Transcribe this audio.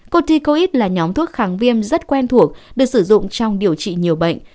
corticoid là nhóm thuốc kháng viêm rất quen thuộc được sử dụng trong điều trị nhiều bệnh